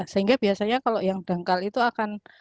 sehingga biasanya kalau yang dangkal itu akan